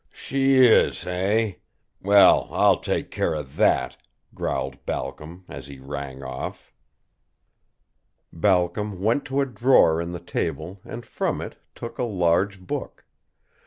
"She is eh? Well, I'll take care of that," growled Balcom, as he rang off. Balcom went to a drawer in the table and from it took a large book.